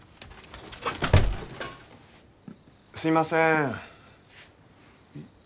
すいません。